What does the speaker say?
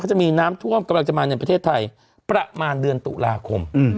จะมีน้ำท่วมกำลังจะมาในประเทศไทยประมาณเดือนตุลาคม